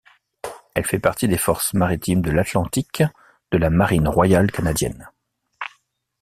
Elle fait partie des Forces maritimes de l'Atlantique de la Marine royale canadienne.